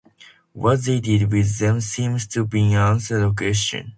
What they did with them seems to be an unanswered question.